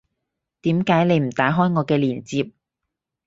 點解你唔打開我嘅鏈接